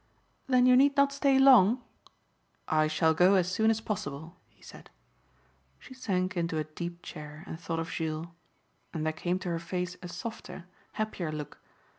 "Then you need not stay long?" "I shall go as soon as possible," he said. She sank into a deep chair and thought of Jules. And there came to her face a softer, happier look.